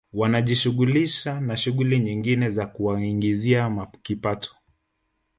Wanajishughulisha na shughuli nyingine za kuwaingizia kipato